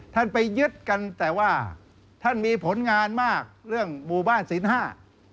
ท่านไปยึดกันแต่ว่าท่านมีผลงานมากเรื่องหมู่บ้านศีลห้า